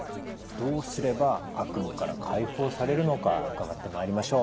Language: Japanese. どうすれば悪夢から解放されるのか伺ってまいりましょう。